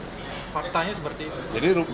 faktanya seperti itu